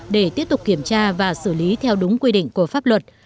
để tiếp tục kiểm tra và xử lý theo đúng quy định của pháp luật